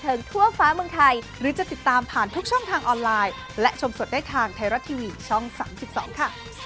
ไทรแรค